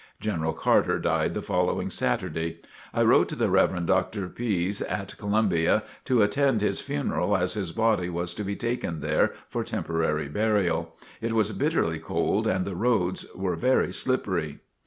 General Carter died the following Saturday. I wrote to the Rev. Dr. Pise at Columbia to attend his funeral as his body was to be taken there for temporary burial. It was bitterly cold and the roads were very slippery.